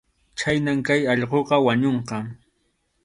Chhaynam kay allquqa wañunqa.